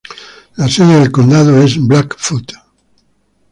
La sede del condado es Blackfoot.